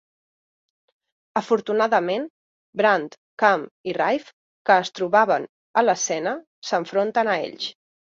Afortunadament, Brand, Kam i Rayf, que es trobaven a l'escena, s'enfronten a ells.